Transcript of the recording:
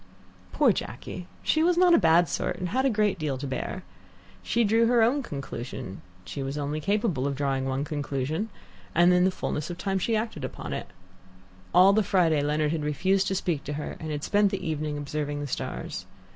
Poor Jacky! she was not a bad sort, and had a great deal to bear. She drew her own conclusion she was only capable of drawing one conclusion and in the fulness of time she acted upon it. All the Friday Leonard had refused to speak to her, and had spent the evening observing the stars.